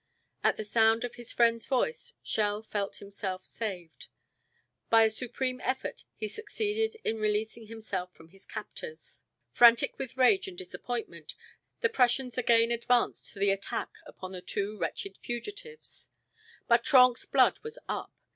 At the sound of his friend's voice Schell felt himself saved. By a supreme effort he succeeded in releasing himself from his captors. Frantic with rage and disappointment, the Prussians again advanced to the attack upon the two wretched fugitives, but Trenck's blood was up.